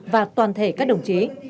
và toàn thể các đồng chí